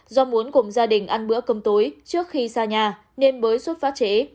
do muốn cùng gia đình ăn bữa cơm tối trước khi xa nhà nên mới xuất phát chế